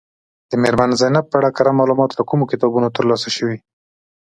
د میرمن زینب په اړه کره معلومات له کومو کتابونو ترلاسه شوي.